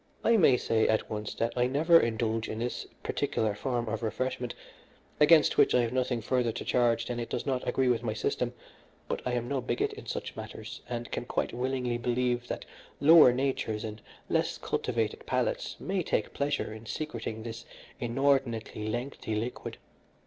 "I may say at once that I never indulge in this particular form of refreshment, against which I have nothing further to charge than it does not agree with my system, but I am no bigot in such matters, and can quite willingly believe that lower natures and less cultivated palates may take pleasure in secreting this inordinately lengthy liquid.